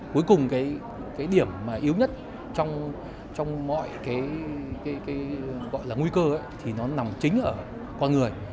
cuối cùng cái điểm mà yếu nhất trong mọi cái gọi là nguy cơ thì nó nằm chính ở con người